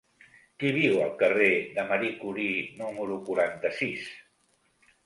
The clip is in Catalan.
Qui viu al carrer de Marie Curie número quaranta-sis?